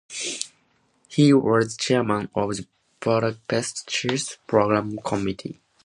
He was chairman of the Budapest Chess Problem Committee.